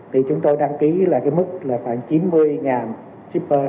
thì chúng tôi đăng ký là cái mức là khoảng chín mươi shipper